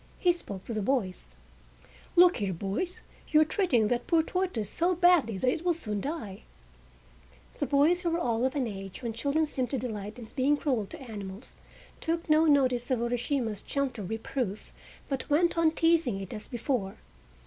He spoke to the boys: "Look here, boys, you are treating that poor tortoise so badly that it will soon die!" The boys, who were all of an age when children seem to delight in being cruel to animals, took no notice of Urashima's gentle reproof, but went on teasing it as before.